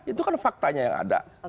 itu kan faktanya yang ada